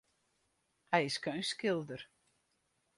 Hy is keunstskilder.